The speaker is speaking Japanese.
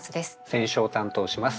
選書を担当します